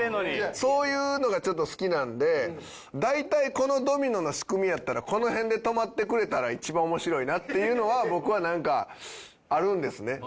そういうのが好きなので大体このドミノの仕組みやったらこの辺で止まってくれたら一番面白いなっていうのは僕はなんかあるんですね。